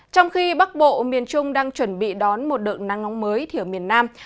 tỉnh trung đang chuẩn bị đón một đợt nắng nóng mới thì ở miền nam